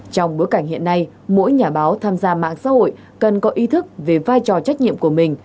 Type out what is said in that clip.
trong bối cảnh hiện nay mỗi nhà báo tham gia mạng xã hội cần có ý thức về vai trò trách nhiệm của mình